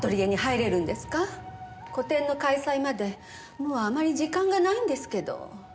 個展の開催までもうあまり時間がないんですけど。